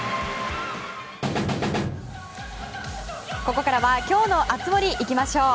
ここからは今日の熱盛いきましょう。